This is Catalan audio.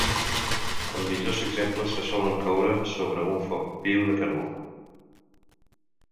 Els millors exemples se solen coure sobre un foc viu de carbó.